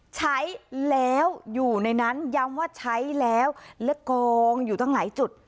ใช้แล้วอยู่ในนั้นย้ำว่าใช้แล้วและกองอยู่ตั้งหลายจุด